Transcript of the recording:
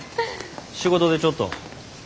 仕事でちょっと。